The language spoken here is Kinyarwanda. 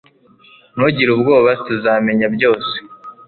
Ntugire ubwoba Tuzamenya byose